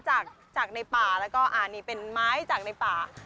จากในป่าแล้วก็เป็นไม้จากในป่า